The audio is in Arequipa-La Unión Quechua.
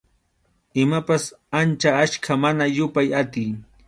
Imapas ancha achka, mana yupay atiy.